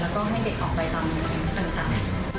แล้วก็ให้เด็กออกไปตามตามตาม